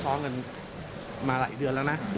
พวกเราก็ซ้อมเป็นมาหลายเดือนแล้วนะ